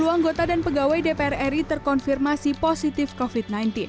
dua puluh anggota dan pegawai dpr ri terkonfirmasi positif covid sembilan belas